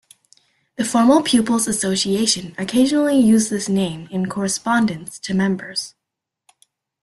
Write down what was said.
The Former Pupils' Association occasionally use this name in correspondence to members.